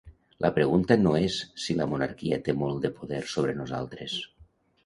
La pregunta no és si la monarquia té molt de poder sobre nosaltres.